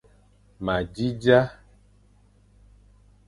Ma zi dia.